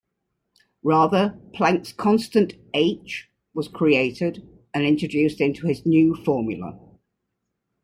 Rather, Planck's constant "h" was created and introduced into his new formula.